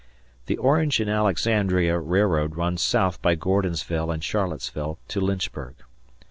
The Orange and Alexandria Railroad runs south by Gordonsville and Charlottesville to Lynchburg.